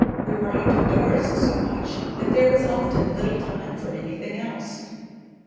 We were out of doors so much that there was often little time for anything else.